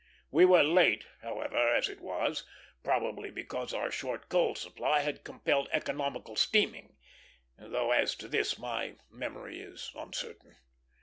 We were late, however, as it was; probably because our short coal supply had compelled economical steaming, though as to this my memory is uncertain.